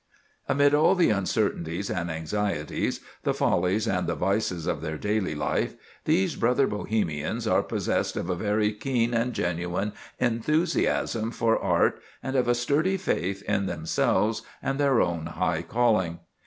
Amid all the uncertainties and anxieties, the follies and the vices of their daily life, these brother Bohemians are possessed of a very keen and genuine enthusiasm for art, and of a sturdy faith in themselves and their own high calling.